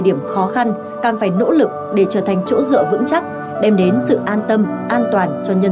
điểm khó khăn càng phải nỗ lực để trở thành chỗ dựa vững chắc đem đến sự an tâm an toàn cho nhân